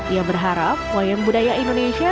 ia berharap wayang budaya indonesia